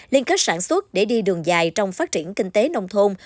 liên kết sản xuất để đi đường dài trong phát triển kinh tế nông thôn